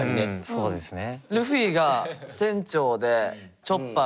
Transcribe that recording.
そうですね。